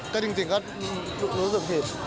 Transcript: ก็จริงก็รู้สึกผิด